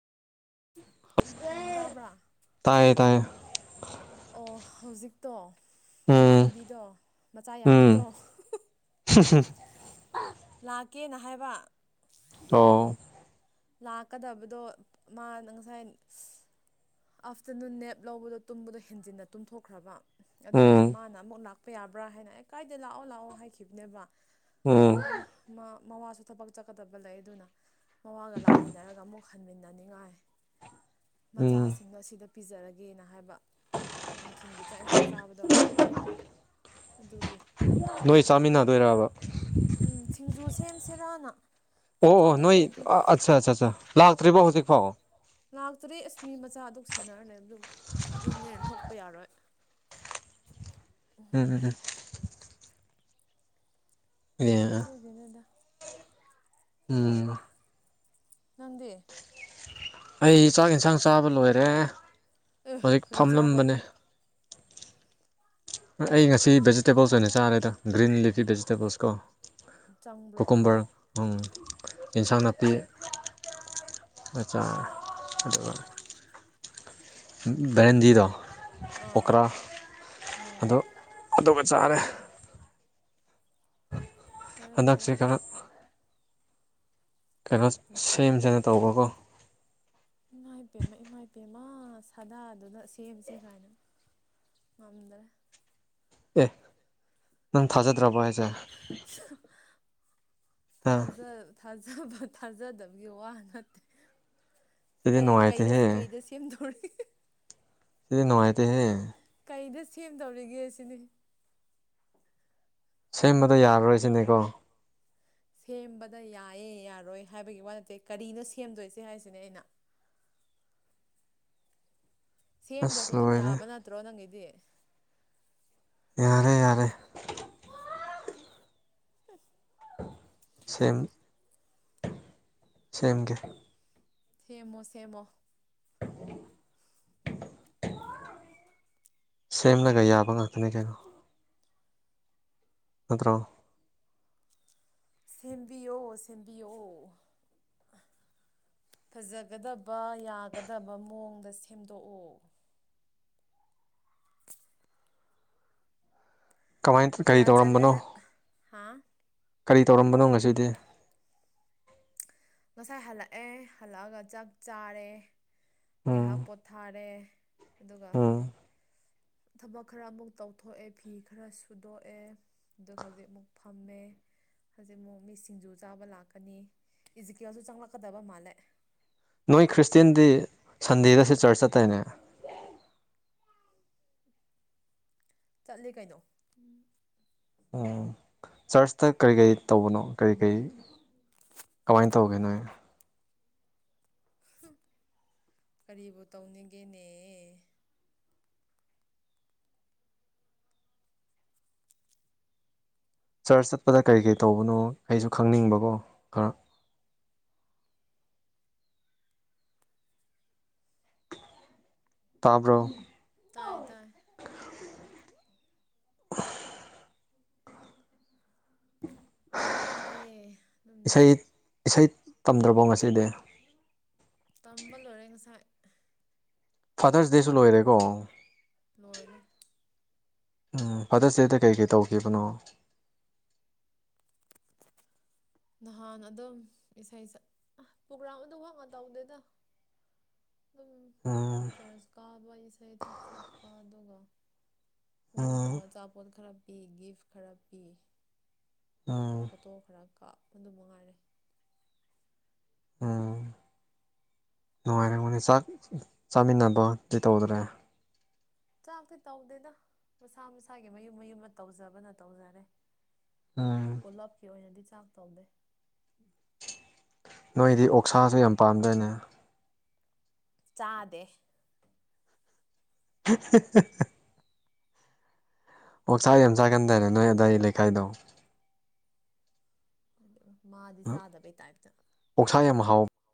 ꯎꯝ ꯎꯝ ꯇꯥꯕ꯭ꯔꯥ [unintelligible] ꯑꯣ ꯍꯧꯖꯤꯛꯇꯣ ꯎꯝ ꯏꯃꯥꯟꯕꯤꯗꯣ ꯃꯆꯥ ꯎꯝ ꯌꯥꯝꯕꯗꯣ ꯂꯥꯛꯀꯦꯅ ꯍꯥꯏꯕ ꯑꯣ ꯂꯥꯛꯀꯗꯕꯗꯣ ꯃꯥꯅ ꯉꯁꯥꯏ ꯑꯥꯐꯇꯔꯅꯨꯟ ꯅꯦꯞ ꯂꯧꯕꯗꯣ ꯇꯨꯝꯕꯗꯣ ꯍꯦꯟꯖꯤꯟꯅ ꯇꯨꯝꯊꯣꯛꯈ꯭ꯔꯕ ꯑꯗꯣ ꯑꯩꯅ ꯎꯝ ꯃꯥꯅ ꯑꯃꯨꯛ ꯂꯥꯛꯄ ꯌꯥꯕꯥ ꯭ꯔꯥ ꯍꯥꯏꯅ ꯑꯩ ꯀꯥꯏꯗ ꯂꯥꯛꯑꯣ ꯂꯥꯛꯑꯣ ꯍꯥꯏꯈꯤꯕꯅꯦꯕ ꯎꯝ ꯑꯗꯣ ꯃꯋꯥꯁꯨ ꯊꯕꯛ ꯆꯠꯀꯗꯕ ꯂꯩ ꯑꯗꯨꯅ ꯃꯋꯥꯒ ꯂꯥꯛꯃꯤꯟꯅꯔꯒ ꯑꯃꯨꯛ ꯍꯟꯃꯤꯟꯅꯅꯤꯡꯉꯥꯏ ꯎꯝ ꯃꯆꯥꯁꯤꯡ ꯁꯤꯡꯗꯣ ꯑꯁꯤꯗ ꯄꯤꯖꯔꯒꯦꯅ ꯍꯥꯏꯕ ꯅꯨꯡꯊꯤꯜꯒꯤ ꯆꯥꯛ ꯏꯟꯁꯥꯡ ꯆꯥꯕꯗꯣ ꯑꯗꯨꯒꯤ ꯅꯣꯏ ꯆꯥꯃꯤꯟꯅꯗꯣꯏꯔꯕ ꯎꯝ ꯁꯤꯡꯖꯨ ꯁꯦꯝꯁꯤꯔꯅ ꯑꯣ ꯑꯣ ꯅꯣꯏ ꯆꯥꯅꯤꯡꯗ꯭ꯔꯗꯤ ꯑꯠꯆꯥ ꯑꯠꯆꯥ ꯑꯠ ꯂꯥꯛꯇ꯭ꯔꯤꯕꯣ ꯍꯧꯖꯤꯛ ꯐꯥꯎ ꯂꯥꯛꯇ꯭ꯔꯦ ꯑꯁꯃꯤ ꯃꯆꯥꯗꯨ ꯁꯦꯟꯅꯔꯂꯦ ꯑꯗꯨ ꯊꯣꯛꯅꯤꯡꯉꯦꯅ ꯊꯣꯛꯄ ꯌꯥꯔꯣꯏ ꯎꯝ ꯎꯝ ꯑꯦ ꯑꯗꯨꯗꯨꯒꯤꯗꯗꯗꯥ ꯎꯝ ꯉꯗꯦ ꯑꯩ ꯆꯥꯛ ꯏꯟꯁꯥꯡ ꯆꯥꯕ ꯂꯣꯏꯔꯦ ꯑꯦ ꯍꯧꯖꯤꯛ ꯀꯔꯤ ꯆꯥꯕ ꯐꯝꯂꯝꯕꯅꯦ ꯑꯩ ꯉꯁꯤ ꯚꯦꯖꯤꯇꯦꯕꯜꯁ ꯑꯣꯏꯅ ꯆꯥꯔꯦꯗ ꯒ꯭ꯔꯤꯟ ꯂꯤꯐꯤ ꯚꯦꯖꯤꯇꯦꯕꯜꯁ ꯀꯣ ꯆꯪꯕ꯭ꯔꯣ ꯀꯣꯀꯨꯝꯕꯔ ꯏꯟꯁꯥꯡ ꯅꯥꯄꯤ ꯃꯆꯥꯥ ꯕꯔꯦꯟꯖꯤꯗ ꯑꯥ ꯑꯣꯀꯔ ꯎꯝ ꯑꯗꯣ ꯑꯗꯨꯒ ꯆꯥꯔꯦ ꯐꯔꯦ ꯐꯔꯦ ꯍꯟꯗꯛꯆ ꯀꯥ ꯀꯩꯅꯣ ꯁꯦꯝꯁꯅ ꯇꯧꯕꯀꯣ ꯏꯃꯥ ꯏꯄꯦꯝꯃ ꯏꯃ ꯏꯄꯦꯝꯃ ꯁꯥꯗꯥꯗꯨꯅ ꯁꯦꯝꯕꯁꯦ ꯀꯥꯏꯅ ꯃꯃꯤꯗꯔꯦ ꯑꯦ ꯅꯪ ꯊꯥꯖꯗ꯭ꯔꯕꯣ ꯍꯥꯏꯁꯦ ꯑ ꯊꯖꯜ ꯊꯥꯖ ꯥꯕ ꯊꯥꯖꯗꯕꯒꯤ ꯋꯥ ꯅꯠꯇꯦ ꯁꯤꯗꯤ ꯅꯨꯡꯉꯥꯏꯇꯦꯍꯦ ꯀꯩꯗ ꯁꯦꯝꯗꯧꯔꯤ ꯁꯤꯗꯤ ꯅꯨꯡꯃꯥꯥꯏꯇꯍꯦ ꯀꯩꯗ ꯁꯦꯝꯗꯧꯔꯤꯒꯦ ꯁꯤꯅꯤ ꯁꯦꯝꯕꯗ ꯌꯥꯔꯔꯣꯏꯁꯤꯅꯦꯀꯣ ꯁꯦꯝꯕꯗ ꯌꯥꯏꯌꯦꯦ ꯌꯥꯔꯣꯏ ꯍꯥꯏꯕꯒꯤ ꯋꯥ ꯅꯠꯇꯦ ꯀꯔꯤꯅꯣ ꯁꯦꯝꯗꯣꯏꯁꯦ ꯍꯥꯏꯁꯤꯅꯦ ꯑꯩꯅ ꯁꯦꯝꯗ꯭ꯔꯁꯨ ꯑꯁ ꯑꯗꯨꯝ ꯂꯣꯏꯔꯦ ꯌꯥꯕ ꯅꯠꯇ꯭ꯔꯣ ꯅꯪꯒꯤꯗꯤ ꯌꯥꯔꯦ ꯌꯥꯔꯦ ꯐ ꯁꯦꯝꯃ ꯁꯦꯝꯃꯒ ꯁꯦꯝꯦꯃꯣ ꯁꯦꯝꯦꯃꯣ [inaudible] ꯁꯦꯝꯂꯒ ꯌꯥꯕ ꯉꯥꯛꯇꯅꯤ ꯀꯩꯅꯣ ꯅꯠꯇ꯭ꯔꯣ ꯁꯦꯝꯕꯤꯨ ꯁꯦꯝꯕꯤꯨ [inaudible] ꯐꯖꯒꯗꯕ ꯌꯥꯒꯗꯕ ꯃꯑꯣꯡꯗ ꯁꯦꯝꯗꯣꯛꯎ ꯀꯃꯥꯏ ꯀꯔꯤ ꯀꯌꯥ ꯆꯜꯂꯦ ꯇꯧꯔꯝꯕꯅꯣ ꯍꯥ ꯀꯔꯤ ꯇꯧꯔꯝꯕꯅꯣ ꯉꯁꯤꯗꯤ ꯉꯁꯥꯏ ꯍꯜꯂꯛꯑꯦ ꯍꯜꯂꯛꯑꯒ ꯆꯥꯛ ꯆꯥꯔꯦ ꯉꯥꯏꯍꯥꯛ ꯎꯝ ꯄꯣꯊꯥꯔꯦ ꯑꯗꯨꯒ ꯎꯝ ꯊꯕꯛ ꯈꯔ ꯑꯃꯨꯛ ꯇꯧꯊꯣꯛꯑꯦ ꯐꯤ ꯈꯔ ꯁꯨꯗꯣꯛꯑꯦ ꯑꯗꯨꯒ ꯍꯧꯖꯤꯛ ꯑꯃꯨꯛ ꯐꯝꯃꯃꯦ ꯍꯧꯖꯤꯛꯃꯛꯨꯛ ꯃꯤ ꯁꯤꯡꯖꯨ ꯆꯥꯕ ꯂꯥꯛꯀꯅꯤ ꯏꯖꯤꯀꯦꯜꯁꯨ ꯆꯪꯂꯛꯀꯗꯕ ꯃꯥꯜꯂꯦ ꯅꯣꯏ ꯈ꯭ꯔꯤꯁꯇꯦꯟꯗꯤ ꯁꯟꯗꯦꯗꯁꯦ ꯆꯔꯆ ꯆꯠꯇꯣꯏꯅꯦ ꯆꯠꯂꯦ ꯀꯩꯅꯣ ꯑꯣ ꯆꯔꯆꯇ ꯀꯔꯤ ꯀꯔꯤ ꯇꯧꯕꯅꯣ ꯀꯔꯤ ꯀꯔꯤ ꯀꯃꯥꯏꯅ ꯇꯧꯒꯦ ꯅꯣ ꯀꯔꯤꯕꯨ ꯇꯧꯅꯤꯡꯒꯦꯅꯦ ꯆꯔꯆ ꯆꯠꯄꯗ ꯀꯔꯤ ꯀꯔꯤ ꯇꯧꯕꯅꯣ ꯑꯩꯁꯨ ꯈꯪꯅꯤꯡꯕꯀꯣ ꯈꯔ ꯇꯥꯕ꯭ꯔꯣ ꯇꯥꯏ ꯇꯥꯏ ꯎꯝ ꯇꯥꯏꯌꯦ ꯑꯗꯨꯝ ꯏꯁꯩ ꯏꯁꯩ ꯇꯝꯗ꯭ꯔꯕꯣ ꯉꯁꯤꯗꯤ ꯇꯝꯕ ꯂꯣꯏꯔꯦ ꯉꯁꯥꯏ ꯐꯥꯗꯔꯁ ꯗꯦꯁꯨ ꯂꯣꯏꯔꯦꯀꯣ ꯂꯣꯏꯔꯦ ꯎꯝ ꯐꯥꯗꯔ ꯁꯇꯗꯦꯗ ꯀꯩꯀꯩ ꯇꯧꯈꯤꯕꯅꯣ ꯅꯍꯥꯟ ꯑꯗꯨꯝ ꯏꯁꯩ ꯁ ꯄ꯭ꯔꯣꯒ꯭ꯔꯥꯝ ꯑꯗꯨ ꯋꯥ ꯇꯧꯗꯦꯗ [inaudible] ꯑꯗꯨꯝ ꯎꯝ ꯆꯔꯁ ꯀꯥꯕ ꯏꯁꯩꯗ ꯁꯛꯄ ꯑꯗꯨꯒ ꯎꯝ ꯃꯣꯏꯒꯤꯗꯃꯛ ꯑꯆꯥꯄꯣꯠ ꯈꯔ ꯄꯤ ꯒꯤꯐ ꯈꯔ ꯄꯤ ꯎꯝ ꯐꯣꯇꯣ ꯈꯔ ꯀꯥꯞꯄ ꯑꯗꯨ ꯃꯉꯥꯏꯔꯦ ꯑꯝ ꯅꯨꯡꯉꯥꯏꯔꯝꯒꯅꯤ ꯆꯥꯛ ꯆꯥꯃꯤꯟꯅꯕꯗꯤ ꯇꯧꯗ꯭ꯔꯦ ꯆꯥꯛꯇꯤ ꯇꯧꯗꯦꯗ ꯃꯁꯥ ꯃꯁꯥꯒꯤ ꯃꯌꯨꯝ ꯃꯌꯨꯝ ꯑꯃ ꯇꯧꯖꯕꯅ ꯇꯧꯖꯔꯦ ꯎꯝ ꯄꯨꯜꯂꯞꯀꯤ ꯑꯣꯏꯅꯗꯤ ꯆꯥꯛ ꯇꯧꯗꯦ ꯅꯣꯏꯗꯤ ꯑꯣꯛꯁꯥꯁꯨ ꯌꯥꯝ ꯄꯥꯝꯗꯥꯏꯅꯦ ꯆꯥꯗꯦ [unintelligible] ꯑꯣꯛꯁꯥ ꯌꯥꯝ ꯆꯥꯒꯟꯗꯥꯏꯅꯦ ꯅꯣꯏ ꯑꯗꯥꯋꯥꯏ ꯂꯩꯀꯥꯏꯗꯣ ꯃꯥꯗꯤ ꯆꯥꯗꯕꯩ ꯇꯥꯏꯞꯇꯥ ꯑꯣꯛꯁꯥ ꯌꯥꯝ ꯍꯥꯎꯕ